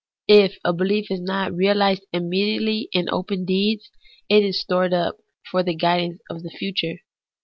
If a belief is not reahzed immediately in open deeds, it is stored up for the guidance of the future.